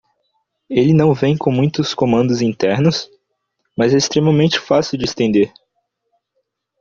Ele não vem com muitos comandos internos?, mas é extremamente fácil de extender.